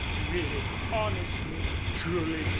"Really? Honestly? Truly?"